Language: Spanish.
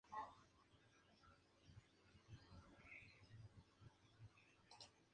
Las primeras ramas son blanquecinas, glabras, cilíndricas, y luego son minuciosamente arrugadas, con lenticelas.